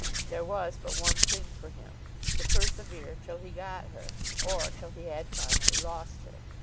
There was but one thing for him; to persevere till he got her, or till he had finally lost her.